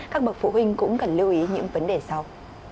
các bậc phụ huynh cũng cần lưu ý những vấn đề sau